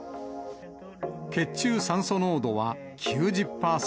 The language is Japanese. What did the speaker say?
血中酸素濃度は９０％。